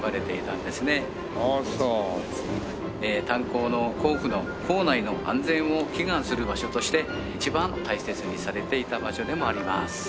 炭鉱の坑夫の坑内の安全を祈願する場所として一番大切にされていた場所でもあります。